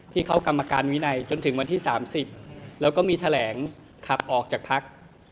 เข้ากรรมการวินัยจนถึงวันที่๓๐แล้วก็มีแถลงขับออกจากพัก